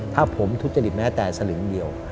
ถ้าผมทุจริตแม้แต่สลึงเดียว